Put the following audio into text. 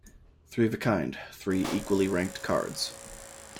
Three of a kind: Three equally ranked cards.